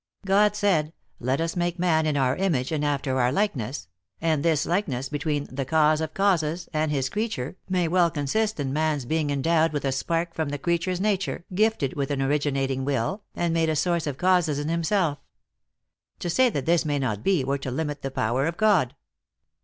God said, let us make man in our image and after our likeness, and this likeness between the cause of causes and his crea ture, may well consist in man s being endowed with a spark from the Creator s nature, gifted with an ori ginating will, and made a source of causes in him 202 THE ACTKESS IN HIGH LIFE. self. To say that this may not be, were to limit the power of God."